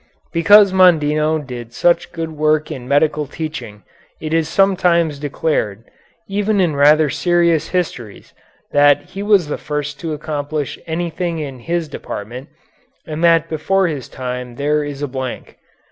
Because Mondino did such good work in medical teaching it is sometimes declared, even in rather serious histories, that he was the first to accomplish anything in his department, and that before his time there is a blank.